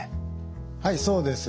はいそうです。